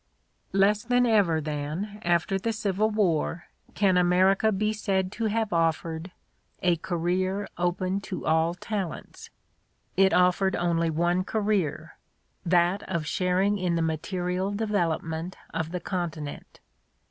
Less than ever, then, after the Civil War, can Amer \ ica be said to have offered '' a career open to all talents. '' It offered only one career, that of sharing in the mate rial development of the continent.